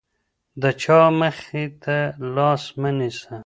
د چا مخې ته لاس مه نیسه.